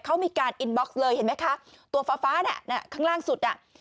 เขามีการอินบ็อกซ์เลยเห็นไหมคะตัวฟ้าฟ้าน่ะข้างล่างสุดอ่ะ